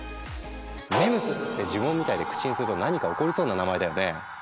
ＭＥＭＳって呪文みたいで口にすると何か起こりそうな名前だよね？